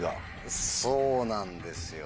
そうなんですよ